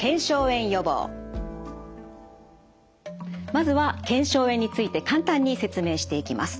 まずは腱鞘炎について簡単に説明していきます。